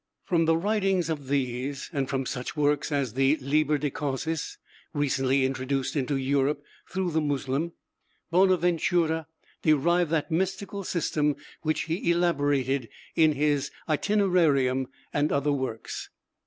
From the writings of these, and from such works as the 'Liber de Causis,' recently introduced into Europe through the Muslim, Bonaventura derived that mystical system which he elaborated in his 'Itinerarium' and other works.